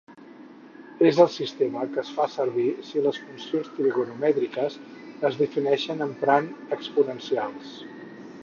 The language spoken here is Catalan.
És el sistema que es fa servir si les funcions trigonomètriques es defineixen emprant exponencials.